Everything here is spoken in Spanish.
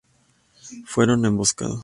Fueron emboscados.